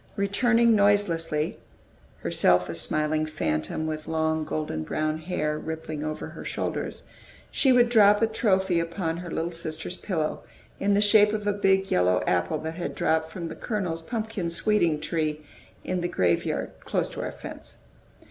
Returning noiselessly, herself a smiling phantom, with long, golden brown hair rippling over her shoulders, she would drop a trophy upon her little sisters' pillow, in the shape of a big, yellow apple that had dropped from "the Colonel's" "pumpkin sweeting" tree into the graveyard, close to our fence.